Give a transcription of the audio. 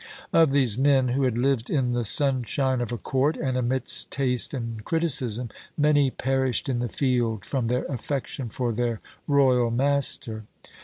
Of these men, who had lived in the sunshine of a court, and amidst taste and criticism, many perished in the field, from their affection for their royal master.